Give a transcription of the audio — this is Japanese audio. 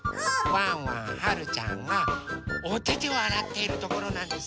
ワンワンはるちゃんがおててをあらっているところなんです。